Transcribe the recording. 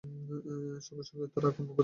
সঙ্গে সঙ্গে তারা আক্রমণ প্রতিরোধ করে।